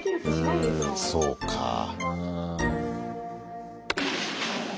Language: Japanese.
うんそうかぁ。